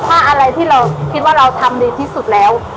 ถ้าอะไรที่เราคิดว่าเราทำดีที่สุดแล้ว